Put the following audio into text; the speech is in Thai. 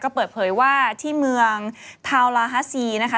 ก็เปิดเผยว่าที่เมืองทาวลาฮาซีนะคะ